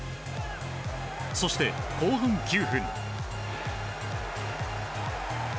そして、後半９分。